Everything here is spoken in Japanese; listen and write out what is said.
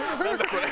これ。